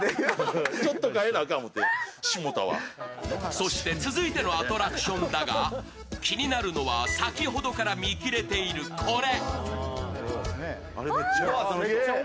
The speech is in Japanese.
そして続いてのアトラクションだが、気になるのは先ほどから見切れている、これ。